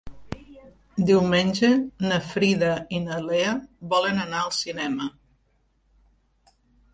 Diumenge na Frida i na Lea volen anar al cinema.